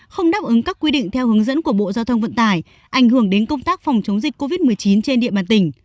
không đáp ứng các quy định theo hướng dẫn của bộ giao thông vận tải ảnh hưởng đến công tác phòng chống dịch covid một mươi chín trên địa bàn tỉnh